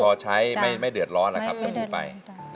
ก็พอใช้ไม่เดือดร้อนแล้วครับจะพูดไป